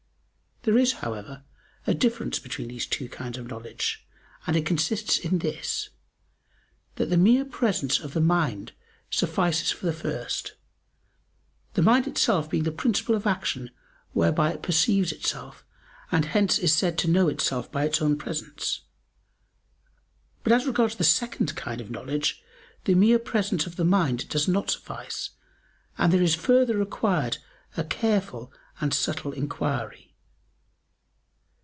There is, however, a difference between these two kinds of knowledge, and it consists in this, that the mere presence of the mind suffices for the first; the mind itself being the principle of action whereby it perceives itself, and hence it is said to know itself by its own presence. But as regards the second kind of knowledge, the mere presence of the mind does not suffice, and there is further required a careful and subtle inquiry.